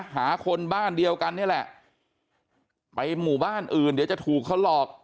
หาคนบ้านเดียวกันนี่แหละไปหมู่บ้านอื่นเดี๋ยวจะถูกเขาหลอก